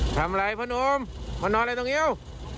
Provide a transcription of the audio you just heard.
ทำอะไรพ่อนมมานอนอะไรตรงนี้